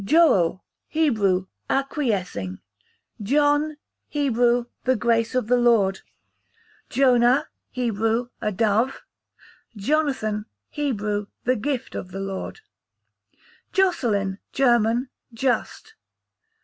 Joel, Hebrew, acquiescing. John, Hebrew, the grace of the Lord. Jonah, Hebrew, a dove. Jonathan, Hebrew, the gift of the Lord. Joscelin, German, just.